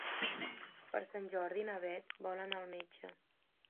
Per Sant Jordi na Bet vol anar al metge.